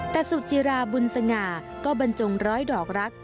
แต่สุจิราบุญสง่าก็บรรจงร้อยดอกรัก